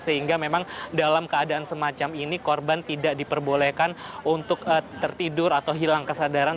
sehingga memang dalam keadaan semacam ini korban tidak diperbolehkan untuk tertidur atau hilang kesadaran